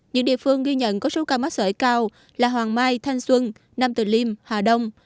những địa phương ghi nhận có số ca mắc sởi cao là hoàng mai thanh xuân nam từ liêm hà đông